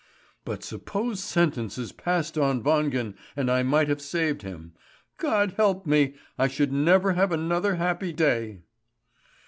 "But suppose sentence is passed on Wangen, and I might have saved him! God help me! I should never have another happy day."